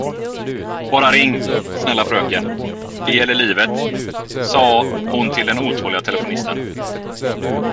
Bara ring, snälla fröken, det gäller livet, sade hon till den otåliga telefonisten.